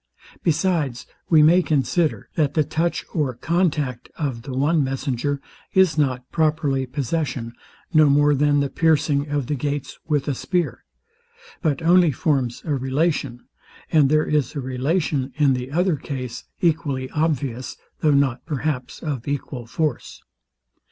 Besides we may consider, that the touch or contact of the one messenger is not properly possession, no more than the piercing the gates with a spear; but only forms a relation; and there is a relation, in the other case, equally obvious, tho' not, perhaps, of equal force.